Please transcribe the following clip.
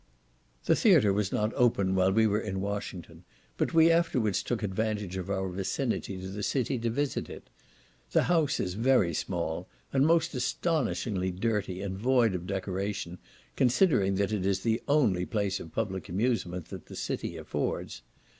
The theatre was not open while we were in Washington, but we afterwards took advantage of our vicinity to the city, to visit it. The house is very small, and most astonishingly dirty and void of decoration, considering that it is the only place of public amusement that the city affords.